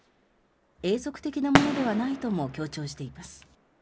永続的なものではないとも強調しています。